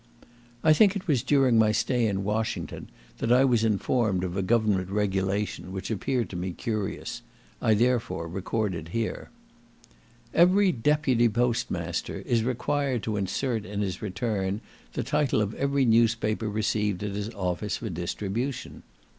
I think that it was during my stay at Washington, that I was informed of a government regulation, which appeared to me curious; I therefore record it here. Every Deputy Post Master is required to insert in his return the title of every newspaper received at his office for distribution.